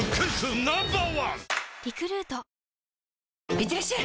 いってらっしゃい！